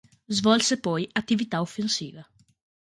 Svolse poi attività offensiva.